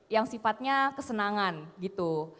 yang sifatnya kesenangan gitu